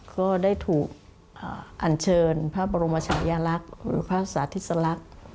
ก็ได้ถูกอันเชิญพระบรมชายลักษณ์หรือพระสาธิสลักษณ์